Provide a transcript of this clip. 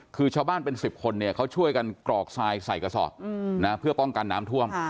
คือชาวบ้านเป็นสิบคนเนี้ยเขาช่วยกันกรอกทรายใส่กระทรอบอืมนะ